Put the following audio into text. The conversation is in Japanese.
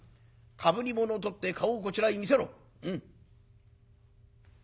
かぶり物を取って顔をこちらへ見せろ。